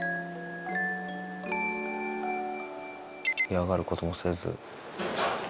嫌がることもせず。